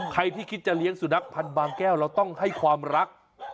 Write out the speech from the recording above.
ใครที่คิดจะเลี้ยงสุนัขพันธ์บางแก้วเราต้องให้ความรัก